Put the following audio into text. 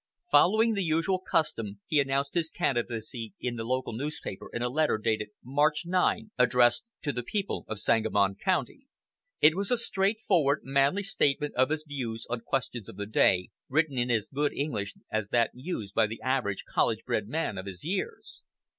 Following the usual custom, he announced his candidacy in the local newspaper in a letter dated March 9, addressed "To the People of Sangamon County." It was a straightforward, manly statement of his views on questions of the day, written in as good English as that used by the average college bred man of his years.